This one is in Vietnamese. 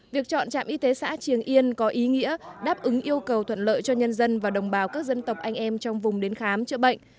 việc chọn trạm y tế xã triềng yên có ý nghĩa đáp ứng yêu cầu thuận lợi cho nhân dân và đồng bào các dân tộc anh em trong vùng đến khám chữa bệnh